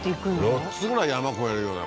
４つぐらい山越えるよね